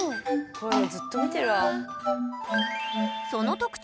こういうのずっと見てるわ。